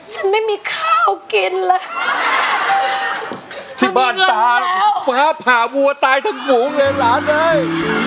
ฉันไม่มีข้าวกินเลยที่บ้านตาฟ้าผ่าวัวตายทั้งฝูงเลยหลานเอ้ย